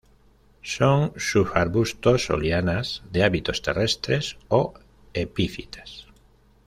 Son subarbustos o lianas de hábitos terrestres o epífitas.